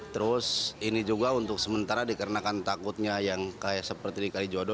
terus ini juga untuk sementara dikarenakan takutnya yang seperti di kalijodo